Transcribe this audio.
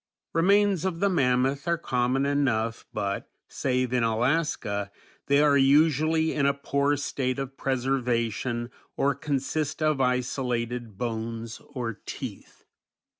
Remains of the mammoth are common enough but, save in Alaska, they are usually in a poor state of preservation or consist of isolated bones or teeth.